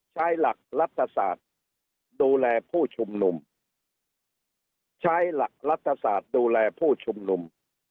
ใช้หลักรัฐศาสตร์ดูแลผู้ชุ่มนุม